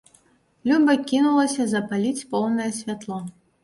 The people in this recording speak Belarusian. Люба кінулася запаліць поўнае святло.